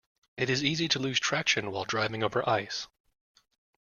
It is easy to lose traction while driving over ice.